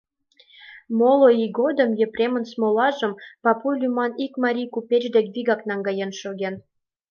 Моло ий годым Епремын смолажым Папуй лӱман ик марий купеч дек вигак наҥгаен шоген.